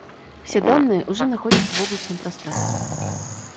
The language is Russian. Все данные уже находятся в облачном пространстве